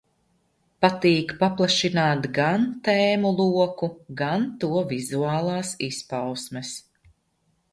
Patīk paplašināt gan tēmu loku, gan to vizuālās izpausmes.